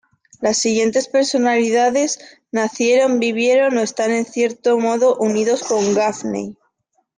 Las siguientes personalidades nacieron, vivieron o están en cierto modo unidos con Gaffney.